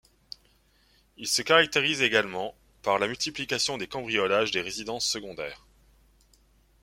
Il se caractérise également par la multiplication des cambriolages des résidences secondaires.